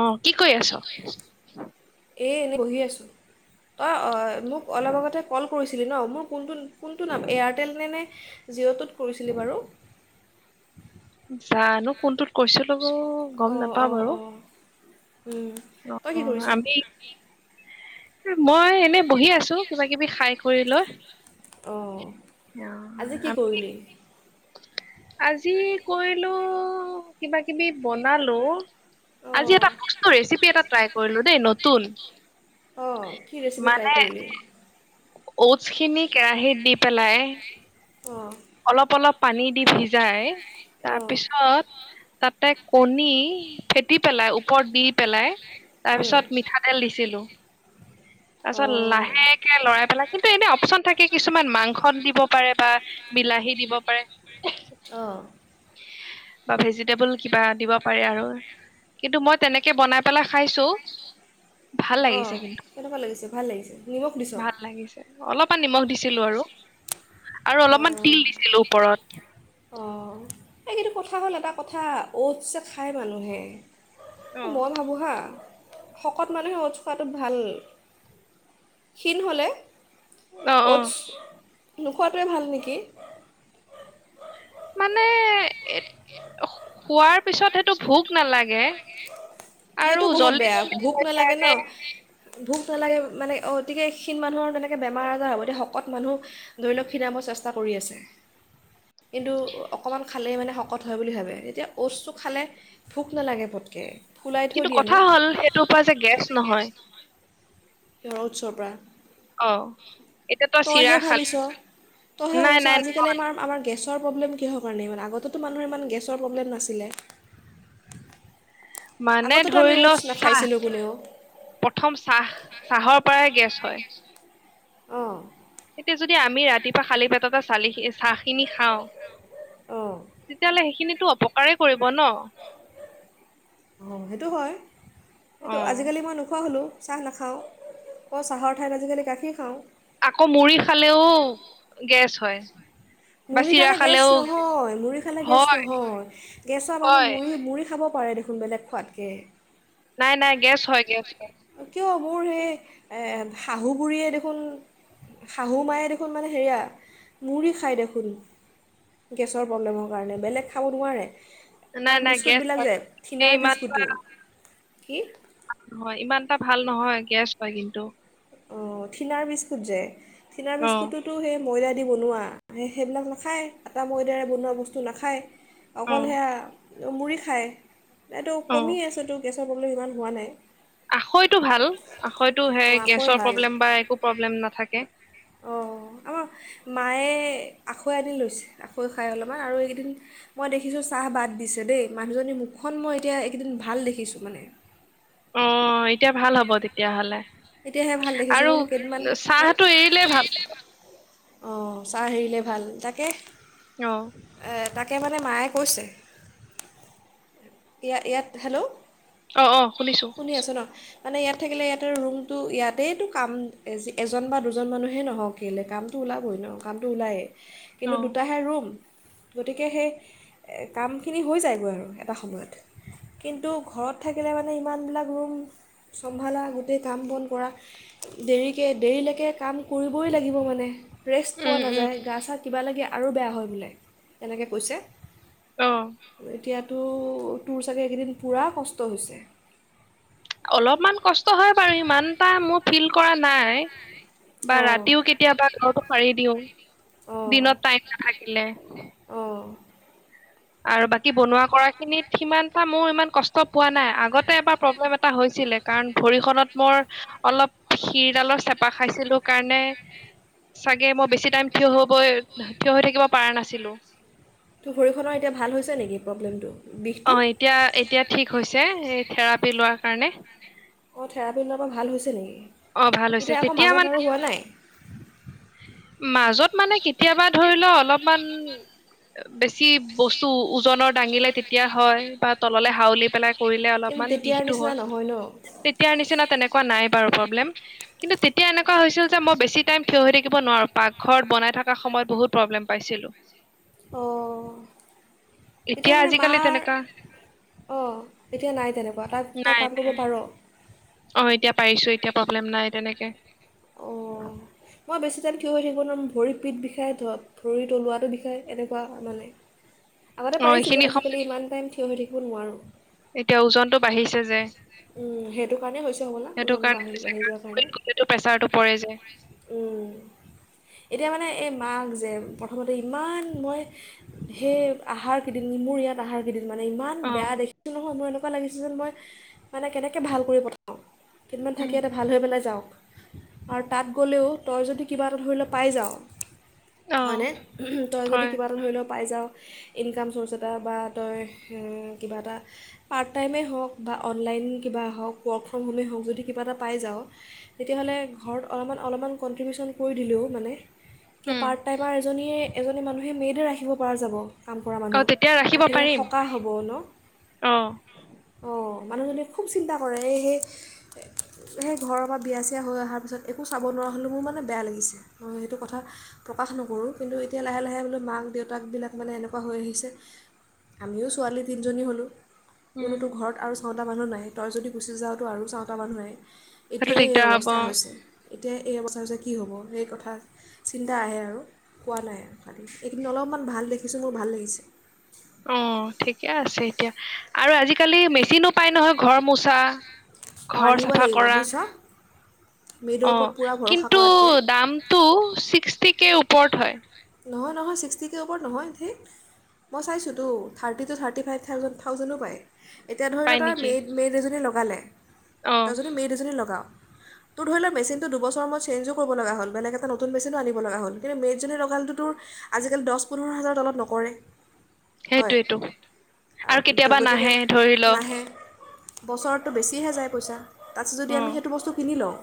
অ', কি কৰি আছ? এ, এনেই বহি আছোঁ। অ, অ' মোক অলপ আগতে কল কৰিছিলি ন? মোৰ কোনটো কোনটো নাম এয়াৰটেল নে নে জিঅ'টোত কৰিছিলি বাৰু উ জানো কোনটো কৈছোলোগ গম নাপাওঁ বাৰু ওম অ তই কি কৰিছ আমি মই এনে বহি আছো কিবা কিবি খাই কৰি লয় অঁ আজি কি আমি কৰিলি আজি কৰিলো কিবা কিবি বনালো আজি অঁ এটা বস্তু ৰেচিপি এটা ট্ৰাই কৰিলো দেই নতুন অঁ কি ৰেচিপি ট্ৰাই কৰিলো ৱছ খিনি কেৰাহীত দি পেলাই অ অলপ অলপ পানী দি ভিজাই অঁ তাৰপিছত তাতে কণী ফেটি পেলাই ওপৰত দি পেলাই তাৰ উম পিছত মিঠাতেল দিছিলো তাৰ পিছত লাহেকে লৰাই পেলাই কিন্তু এনে অপশন থাকে কিছুমান মাংস দিব পাৰে বা। বিলাহী দিব পাৰে অঁ অঁ বা ভেজিটেবল কিবা দিব পাৰে আৰু কিন্তু মই তেনেকে বনাই পেলাই খাইছো ভাল লাগিছে অঁ কিন্তু কেনেকুৱা লাগিছে ভাল লাগিছে নিমখ দিছ অকমান নিমখ দিছিলো আৰু আৰু অলপমান তিল দিছিলো ওপৰত অ', এই কিন্তু কথা হ'ল এটা কথা, ওটচ যে খায় মানুহে অ মই ভাবোঁ হাঁ শকত মানুহে ওটচ খোৱাটো ভাল, ক্ষীণ হ'লে অ অ ওটচ [inaudible] খোৱাটোৱে ভাল নেকি মানে এট, খোৱাৰ পিছত সেইটো ভোক নালাগে আৰু সেইটো বহুত জল্দি বেয়া, জল্দি ভোক হয় নালাগে ন? কাৰণে ভোক নালাগে মানে অ, অতিকে ক্ষীণ মানুহৰ তেনেকে বেমাৰ আজাৰ হ'ব, এতিয়া শকত মানুহ ধৰি লওক খিনাব চেষ্টা কৰি আছে, কিন্তু অকণমান খালেই মানে শকত হয় বুলি ভাবে, তেতিয়া ওতচটো খালে ভোক নালাগে পটকৈ। ফুলাই থৈ কিন্তু দিয়ে ন কথা হ'ল, সেইটোৰ পৰা যে গেছ নহয়। [unintelligible] ওতচৰ পৰা? অ এতিয়া তই চিৰা তইহে খাল ভাবিছ, তইহে নাই ভাবিছ, নাই আজিকালি আমাৰ, আমাৰ গেছ ছৰ প্ৰব্লেম কিহৰ কাৰণে ইমান? আগতেতো মানুহৰ ইমান গেছৰ প্ৰব্লেম নাছিলে! মানে আগতেতো আমি ধৰি ল অ'টছ চাহ, নাখাইছিলোঁ কোনেও প্ৰথম চাহ চাহৰ পৰাই গেছ হয়। অহ। এতিয়া যদি আমি ৰাতিপুৱা খালি পেটতে চালি চাহখিনি খাওঁ। অঁ তেতিয়াহ'লে সেইখিনিত টো অপকাৰে কৰিব ন'। অ', সেইটো হয়, অ সেইটো আজিকালি মই নোখোৱা হ'লোঁ। চাহ নাখাওঁ অ', চাহৰ ঠাইত আজিকালি গাখীৰ খাওঁ। আকৌ মুৰি খালেও গেছ হয়। বা মুড়ি চিৰা খালে গেছ খালেও নহয়, মুড়ি খালে গেছ হয় নহয় গেছৰ মানুহে হয় মুড়ি, মুড়ি খাব কৰু দেখোন বেলেগ খোৱাতকে। নাই, নাই গেছ হয়, গেছ হয় কিয় মোৰ সেই শাহু এ বুঢ়ীয়ে দেখোন শাহু মায়ে দেখোন মানে হেৰিয়া মুড়ি খায় দেখোন গেছৰ প্ৰব্লেমৰ কাৰণে, বেলেগ খাব নোৱাৰে। নাই তাত নাই গেছ বিস্কুটবিলাক হয় যে থিনাৰ বিস্কুটো কি? অহ, হয় ইমান এটা ভাল নহয় গেছ হয় কিন্তু। অ', থিনাৰ বিস্কুট যে থিনাৰ অ বিস্কুটোতো সেই ময়দা দি বনোৱা, সেই সেইবিলাক নাখায় আটা ময়দাৰে বনোৱা বস্তু নাখায়। অ অকল সেয়া মুৰি খাই এইটো কমি আছেতো গেছ প্ৰব্লেম ইমান হোৱা নাই আখয়তটো ভাল আখৈতটো হে, অঁ আকৈ আচল ভাল প্ৰব্লেম বা একো প্ৰব্লেম নাথাকে। অঁ আমাৰ মায়ে আখৈ আনি লৈছে আখৈ খাই অলপমান আৰু এইকেইদিন মই দেখিছোঁ চাহ বাদ দিছে দেই মানুহজনীৰ মুখখন মই এতিয়া এইকেইদিন ভাল দেখিছোঁ মানে অ তেতিয়া ভাল হ'ব তেতিয়াহ'লে এতিয়াহে ভাল দেখিছোঁ আৰু বোলো কেইদমান হা চাহটো এৰিলে ভাল অঁ চাহ হেৰিলেে ভাল তাকে অ তাকে মানে মায়ে কৈছে ইয়াত ইয়াত হেল্ল' অ অ শুনিছো শুনি আছোঁ ন মানে ইয়াত থাকিলে ইয়াতে ৰুমটো ইয়াতেইতো কাম এজন বা দুজন মানুহেই নহওক কেলে কামটো ওলাবই ন কামটো ওলায়েই অ কিন্তু দুটাহে ৰুম গতিকে সেই কামখিনি হৈ যায়গৈ আৰু এটা সময়ত কিন্তু ঘৰত থাকিলে মানে ইমানবিলাক ৰুম চম্ভালা গোটেই কাম বন কৰা দেৰিকে দেৰিলৈকে কাম কৰিবই লাগিব মানে। ৰেষ্ট পোৱা উম উম নাযায় গা চা কিবা লাগে আৰু বেয়া হয় বোলে তেনেকৈ কৈছে। অ এতিয়া তো তোৰ চাগে এইকেইদিন পূৰা কষ্ট হৈছে। অলপমান কষ্ট হয় বাৰু ইমান এটা মোৰ ফিল কৰা নাই বা অঁ ৰাতিও কেতিয়াবা ঘৰতো সাৰি দিওঁ অঁ দিনত টাইম নাথাকিলে। অঁ আৰু বাকী বনোৱা কৰা খিনিত সিমান মোৰ ইমান কষ্ট পোৱা নাই আগতে এবাৰ প্ৰব্লেম এটা হৈছিলে কাৰণ ভৰিখনত মই অলপ শিৰডালৰ চেপা খাইছিলো কাৰণে চাগে মই বেছি টাইম থিয় হব থিয় হৈ থাকিব পৰাানাছিলো। তো ভৰিখনৰ এতিয়া ভাল হৈছে নেকি প্ৰব্লেমটো বিষটো অ এতিয়া এতিয়া ঠিক হৈছে। এই থেৰাপি লোৱাৰ কাৰণে অঁ থেৰাপী লোৱাৰ পৰা ভাল হৈছে নেকি অ ভাল হৈছে এতিয়া আকৌ তেতিয়া মাজত মানে আৰু হোৱা নাই মাজত মানে কেতিয়াবা ধৰি লও অলপমান বেছি বস্তু ওজনৰ দাঙিলে তেতিয়া হয় বা তললে হাউলি পেলাই কৰিলে কিন্তু অলপমান তেতিয়াৰ বিষটো নিচিনা হয় নহয় ন তেতিয়াৰ নিচিনা তেনেকে কোৱা নাই বাৰু কিন্তু তেতিয়া এনেকুৱা হৈছিল যে মই বেছি টাইম থিয় হৈ থাকিব নোৱাৰো পাকঘৰত বনাই থকা সময়ত বহুত প্ৰব্লেম পাইছিলো। অঁ এতিয়া মানে আজিকালি মাৰ তেনেকুৱা অঁ এতিয়া নাই তেনেকুৱা তাত তই নাই কাম নাই কৰিব পাৰ। অ এতিয়া পাৰিছো এতিয়া প্ৰব্লেম নাই। তেনেকে। অ মই বেছি যেন কিয় হৈ থাকিব নোৱাৰো ভৰিৰ পিতঠ বিষাই ধৰক ভৰিৰ তলুৱাটো বিষায় এনেকুৱা মানে। আগতে অ এইখিনি পাৰিছিলো সময় আজিকালি ইমান টাইম থ হৈ থাকিব নোৱাৰোঁ। এতিয়া ওজনতটো বাঢ়িছে যে সেইটো কাৰণে হৈছে হ'বলা সেইটো ওজন বাঢ়ি কাৰণেই বাঢ়ি যোৱাৰ কাৰণে এতিয়া মানে এই মাক যে প্ৰথমতে ইমান মই সেই আহাৰ কিন নি মোৰ ইয়াত আহাৰ কেইদিন মানে ইমান অ বেয়া দেখছো নহয় মই এনেকুৱা লাগিছে যে মই মানে কেনেকৈ ভাল কৰি পঠাওঁ, কিদমান থাকে উম এয়াতে ভাল হৈ পেলাই যাওঁ। আৰু তাত গ'লেও তই যদি কিবা এটা ধৰি ল পাই যাৱ অ হয়নে তই যদি হয় কিবা এটা ধৰি লও পাই যাৱ ইনকাম চ'ৰ্চত বা তই কিবা এটা পাৰ্ট টাইমেই হওক বা অনলাইন কিবা হওক ৱৰ্ক ফ্ৰম হোমেই হওক যদি কিবা এটা পাই যাওঁ তেতিয়াহ'লে ঘৰত অলপমান অলপমান কনট্ৰিবিউচন কৰি দিলেও মানে। এতিয়া উম পাৰ্ট টাইমাৰ এজনীয়ে এজনী মানুহে মেদে ৰাখিব পৰা যাব। কাম কৰা মানুহ অ তেতিয়া ৰাখিব গাখে পাৰিম সকাহ হ'ব ন অ অঁ'। মানুহীয়ে খুব চিন্তা কৰে এই সেই সেই ঘৰৰ পৰা বিয়া এতিয়া হৈ অহাৰ পিছত একো চাব নোৱাৰা হ'লেও মোৰ মানে বেয়া লাগিছে মই সেইটো কথা প্ৰকাশ নকৰোঁ কিন্তু এতিয়া লাহে লাহে বোললে মাক দেউতাকবিলাক মানে এনেকুৱা হৈ আহিছে আমিও ছোৱালী তিনিজনী হ'লোঁ উম কটো ঘৰত আৰু চাওঁটা মানুহ নাই তই যদি গুচি যাওঁত আৰু চাওটা মানুহ নাই। সেইটো এতিয়াই এই দিগদাৰ অৱস্থা হ'ব হৈছে। এতিয়া এই অৱস্থা অচা কি হ'ব সেই কথা চিন্তা আহে আৰু কোৱা নাই আৰু খালি এইখন্তু অলপমান ভাল দেখিছোঁ মোৰ ভাল লাগিছে। অ ঠিকে আছে এতিয়া আৰু আজিকালি মেচিনো পাই নহয় ঘৰ মোচা। অঁ' ঘৰ আনিব চাফা লাগিব কৰা বুইজিছা। অ', কিন্তু কৰাতকৈ দামটো ছিক্সটি কে ওপৰত হয়। নহয়, নহয় ছিক্সটি কেৰ ওপৰত নহয় ঠিক, মই চাইছোঁতো thirty two, thirty five thousand, থাউজেণ্ডো পায়। এতিয়া ধৰি ল, পাই তই নেকি মেড, মেড এজনী লগ পালে অ তই যদি মেড এজনী লগাওঁ তোৰ ধৰি ল, মেচিনটো দুবছৰ মই চেনজো কৰিব লগা হ'ল, বেলেগ এটা নতুন মেচিন আনিব লগা হ'ল, কিন্তু মেড জনী লগালে তো তোৰ আজি কালি দচ, পোন্ধৰ হাজাৰৰ তলত নকৰে। হয়, সেইটোয়েতো আ, আৰু কেতিয়াবা গতিকে নাহে ধৰি ল নাহে। বছৰটো বেছিহে যায় পইচা। তাছত যদি অ আমি সেইটো বস্তু কিনি লওঁ।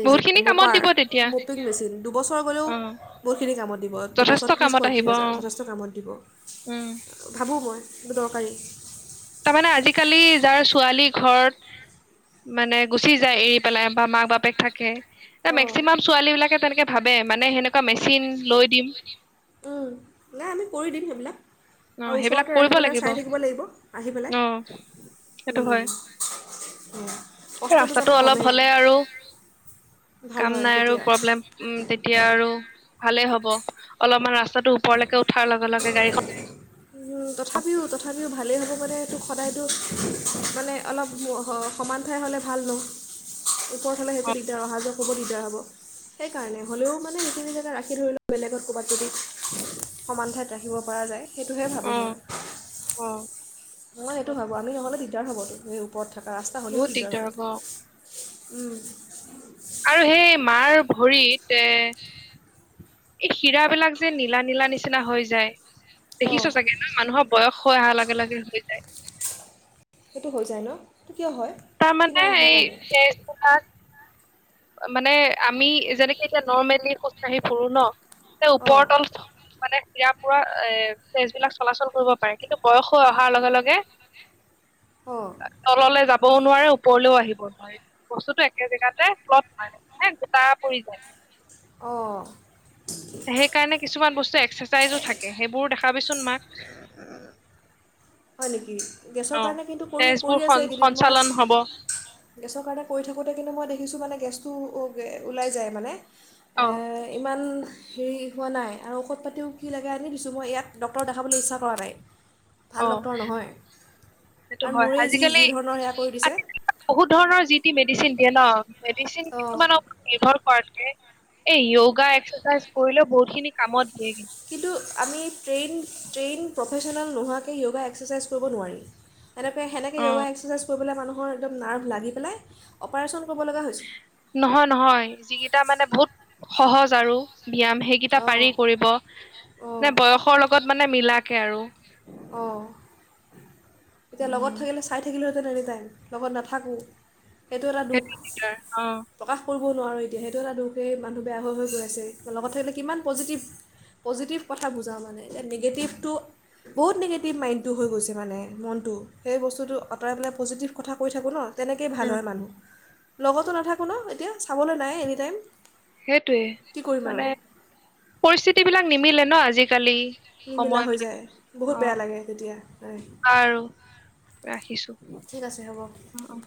এই যে, বহুত খিনি কামত মপাৰ, দিব তেতিয়া মপিং মেচিন দুবছৰ গ'লেও অ বহুতখিনি কামত দিব যথেষ্ট দুবছৰত ত্ৰিছ কামত পঁয়ত্ৰিছ আহিব অ হাজাৰ যথেষ্ট কামত দিব। উম ভাবোঁ মই এইটো দৰকাৰী। তাৰমানে আজিকালি যাৰ ছোৱালী ঘৰত মানে গুচি যায়, এৰি পেলাই বা মাক বাপেক থাকে এ, অঁ মেক্সিমাম ছোৱালী বিলাকে তেনেকে ভাব বে, মানে সেনেকুৱা মেচিন লৈ দিম। উম, নাই আমি কৰি দিম সেইবিলাক। অ', আৰু সেইবিলাক ওচৰতে ৰাখি কৰিব পেলাই লাগিব চাই থাকিব লাগিব আহি পেলাই অ', সেইটো হয়, সেয়া কষ্টটো যাতে ৰাস্তাটো অলপ কমে হ'লে আৰু, ভাল কাম হয় নাই আৰু তেতিয়া প্ৰব্লেম উম, তেতিয়া আৰু ভালেই হ'ব। অলপমান ৰাচ ওপৰ লৈকে উঠাৰ লগে, লগে গাড়ীখন তথাপিও, তথাপিও ভালেই হ'ব মানেতো সদায়তো, মানে অলপ হ, সমান ঠাই হ'লে ভাল ন? ওপৰত হ'লে অ হেইটো দিগদাৰ, অহা যোৱা হ'ব দিগদাৰ হ'ব সেইকাৰণে হ'লেও মানে সেইখিনি জেগা ৰাখি ধৰি ল, বেলেগত ক'ৰবাত যদি সমান ঠাইত ৰাখিব পৰা যায় সেইটোহে ভাবোঁ মই। অ অ [unintelligible] দিগদাৰ হ'বতো হেই ওপৰত থকা ৰাস্তা হ'লেও দিগদাৰ হ'ব। উম। আৰু সেই মাৰ ভৰিতে এই সিৰাবিলাক যে, নীলা, নীলা নিচিনা হৈ যায়। দেখিছ অঁ চাগে ন? মানুহৰ বয়স হৈ অহা লগে, লগে হৈ যায়। সেইটো হৈ যায় ন? কিয় হয় তাৰ মানে খীণাই অহাৰ এই কাৰণে মানে আমি যেনেকে এতিয়া নৰ্মেলি খোজকাঢ়ি ফুৰো ন এ অঁ ওপৰতৰ মানে ইযাৰপৰা পুৰা এ বেজবলাক চলাচল কৰিব পাৰে কিন্তু বয়স হৈ অহাৰ লগে লগে অঁ তললে যাব যাবও নোৱাৰে ওপৰলেও আহিব নোৱাৰে বস্তুটো একে জেগাতে ফুলত ফেন গোটা পৰি যায়। অঁ। সেই কাৰণে কিছুমান বস্তু এক্সা চাইজো থাকে, সেইবোৰো দেখা। ভাবিচোন মাক। থিগী। গেছৰ অ কাৰণে কিন্তু কৰি তেজবোৰ কৰি আছে সন এইকেইদিন, মই সঞ্চালন হব গেছৰ কাৰণে কৰি থাকোঁতে কিন্তু মই দেখিছোঁ মানে। গেছটো ওলাই যায় মানে। এ অ ইমান। হেৰি হোৱা নাই আৰু ঔষধ পাতিও কি লাগে আনি দিছোঁ, মই ইয়াত ডক্টৰক দেখাবলৈ ইচ্ছা কৰা নাই। ভাল অ ডক্টৰ নহয় সেইটো কাৰণ হয় মোৰেই যি যি আজিকালি ধৰণৰ সেয়া কৰি দিছে বহুত ধৰণৰ যি। তি মেডিচিন দিয়ে ন। মেডিচেন অঁ কিছুমানক নিভৰ। কৰাতকে এই ইয়গা এক্সাচাইজ কৰিলেও বহুত খিনি কামত। কিন্তু আমি ট্ৰেইন। ট্ৰেইন প্ৰফেচনেল নোহোৱাকে এক্সাচাইজ কৰিব নোৱাৰি। সেনেপে সেনেকে ইয়গা অ' এক্সচাইজ কৰিবলৈ মানুহ। মোৰ একদম নাভ লগিপেলে অপাৰেশ্বন। নহয় নহয় যি কেইটা মানে। বহুত সহজ আৰু। ব্যায়াম সেইকেইটা পাৰি, অঁ কৰিব নে অঁ বয়সৰ লগত মানে মিলাকে। তাকে আৰু। অ' এতিয়া লগত উম, থাকিলে হয় চাই থাকিলো হয়। যেন এনি টাইম লগত নাথাকো। সেইটো এটা দুখ দিগদাৰ অ' প্ৰকাশ কৰিব। ক'ব নোৱাৰোঁ এতিয়া সেইটো এটা দুখেই মানুহ বেয়া হৈ হৈ গৈ আছে। লগত থাকিলে কিমান পজিটিভ পজিটিভ কথা বুজাওঁ মানে এতিয়া নিগেটিভটো। বহুত নিগেটিভ মাইণ্ডটো হৈ গৈছে মানে, মনটো সেই বস্তুটো আঁতৰাই পেলাই পজিটিভ কথা কৈ থাকোঁ ন। তেনেকেই ভাল উম, হয় মানুহ। লগতো নাথাকোঁ ন এতিয়া চাবলৈ নাই এনিটাইম। সেইটোৱে মানে পৰিস্থিতি বিলাক নিমিলে ন আজিকালি। নিমিলা হৈ সময়বিলাক যায়, বহুত অ' বেয়া লাগে তেতিয়া হয়। আৰু ৰাখিছো। ঠিক আছে হ'ব। অ' অ'।